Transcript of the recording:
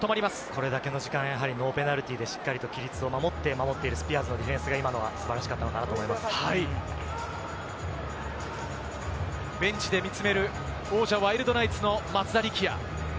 これだけの時間、ノーペナルティーで規律を守っているスピアーズのディフェンスが素晴らベンチで見つめる、王者・ワイルドナイツの松田力也。